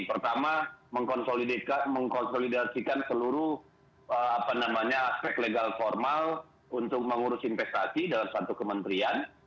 pertama mengkonsolidasikan seluruh aspek legal formal untuk mengurus investasi dalam satu kementerian